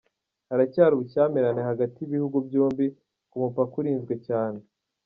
Haracyari ubushyamirane hagati y'ibihugu byombi ku mupaka urinzwe cyane.